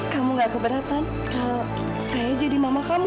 kamu gak keberatan kalau saya jadi mama kamu